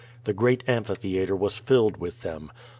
The great amphitheatre was filled with them.